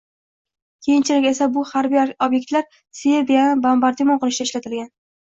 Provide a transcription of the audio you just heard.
Keyinchalik esa bu harbiy ob’ektlar Serbiyani bombardimon qilishda ishlatilgan